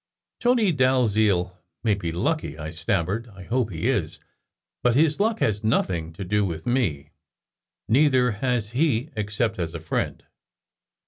"Tony Dalziel may be lucky," I stammered. "I hope he is. But his luck has nothing to do with me. Neither has he except as a friend.